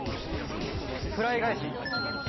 フライ返し。